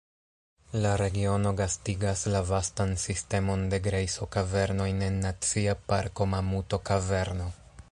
La regiono gastigas la vastan sistemon de grejso-kavernojn en Nacia Parko Mamuto-Kaverno.